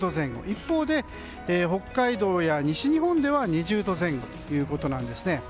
一方で、北海道や西日本では２０度前後ということなんですね。